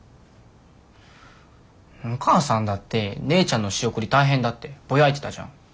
お母さんだって「姉ちゃんの仕送り大変だ」ってボヤいてたじゃん。